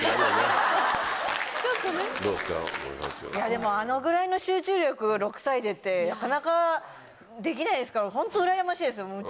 でもあのぐらいの集中力６歳でってなかなかできないですからホントうらやましいですよ。